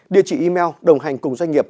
địa chỉ email đồng hành cùng doanh nghiệp